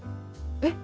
えっ？